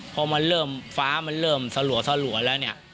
พอมันเริ่มฟ้ามันเริ่มสลัวแล้วเนี่ย